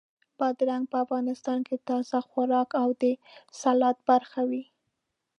بادرنګ په افغانستان کې تازه خوراک او د سالاد برخه وي.